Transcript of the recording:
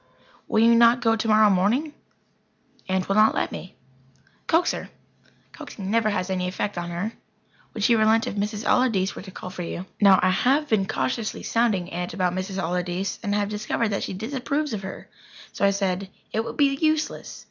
"Will you not go tomorrow morning?" "Aunt will not let me." "Coax her." "Coaxing never has any effect on her." "Would she relent if Mrs. Allardyce were to call for you?" Now, I have been cautiously sounding Aunt about Mrs. Allardyce, and I have discovered that she disapproves of her. So I said: "It would be useless.